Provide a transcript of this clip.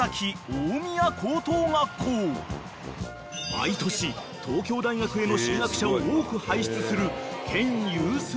［毎年東京大学への進学者を多く輩出する県有数の進学校］